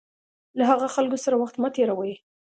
له هغه خلکو سره وخت مه تېروئ.